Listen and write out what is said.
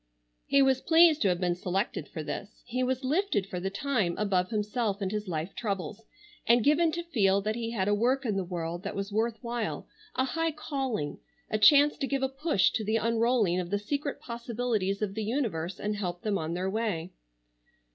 He was pleased to have been selected for this; he was lifted for the time above himself and his life troubles, and given to feel that he had a work in the world that was worth while, a high calling, a chance to give a push to the unrolling of the secret possibilities of the universe and help them on their way.